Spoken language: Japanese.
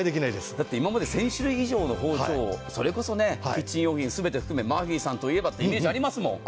だって今まで１０００種類以上の包丁それこそキッチン用品全て含めてマーフィーさんというイメージがありますもん。